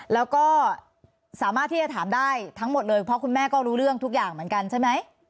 แล้วก็สามารถที่จะถามได้ทั้งหมดเลยเพราะคุณแม่ก็รู้เรื่องทุกอย่างเหมือนกันใช่ไหม